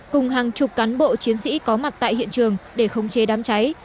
cùng hàng chục cán bộ chiến sĩ có mặt tại hiện trường để khống chế đám cháy